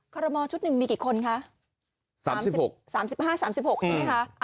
คอรมอชุดหนึ่งมีกี่คนคะสามสิบหกสามสิบห้าสามสิบหกใช่ไหมคะ